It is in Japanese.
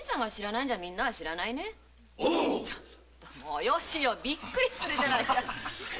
およしよびっくりするじゃないか！